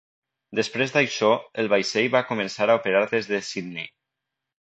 Després d'això, el vaixell va començar a operar des de Sydney.